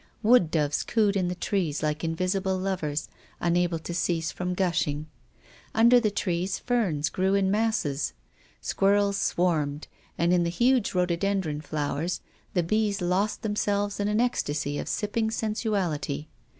Wood doves cooed in the trees like in visible lovers unable to cease from gushing. Under the trees ferns grew in masses. Squirrels swarmed, and in the huge rhododendron flowers the bees lost themselves in an ecstasy of sipping sensuality.